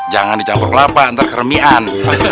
jangan dicampur kelapa antar keremian